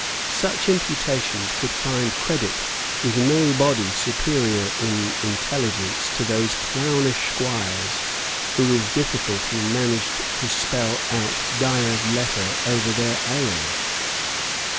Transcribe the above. Such imputations could find credit with no body superior in intelligence to those clownish squires who with difficulty managed to spell out Dyer's Letter over their ale.